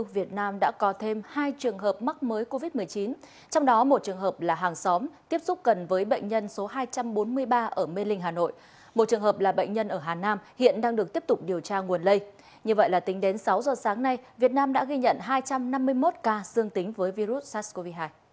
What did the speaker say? việt nam đã ghi nhận hai trăm năm mươi một ca dương tính với virus sars cov hai